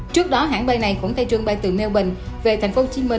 trước đó hãng bay này cũng khai trương bay từ melbourne về tp hcm